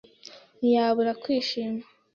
ntiyabura kwishima.